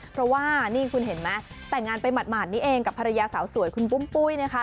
เพราะว่านี่คุณเห็นไหมแต่งงานไปหมาดนี่เองกับภรรยาสาวสวยคุณปุ้มปุ้ยนะคะ